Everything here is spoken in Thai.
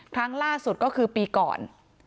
ครั้งล่าสุดก็คือปีก่อน